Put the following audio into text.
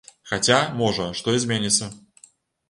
Хаця, можа, што і зменіцца.